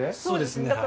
そうですね。